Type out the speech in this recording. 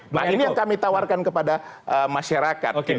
nah ini yang kami tawarkan kepada masyarakat